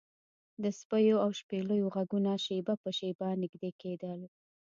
د سپیو او شپېلیو غږونه شیبه په شیبه نږدې کیدل